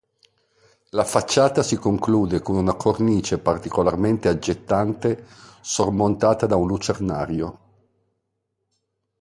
La facciata si conclude con una cornice particolarmente aggettante sormontata da un lucernario.